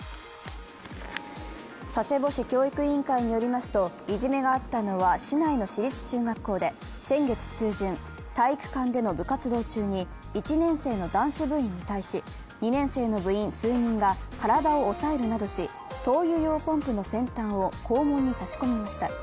佐世保市教育委員会によりますと、いじめがあったのは市内の市立中学校で、先月中旬、体育館での部活動中に１年生の男子部員に対し、２年生の部員数人が体を押さえるなどし灯油用ポンプの先端を肛門に差し込みました。